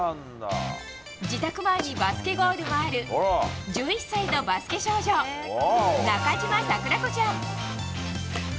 自宅前にバスケゴールもある１１歳のバスケ少女中嶋桜子ちゃん。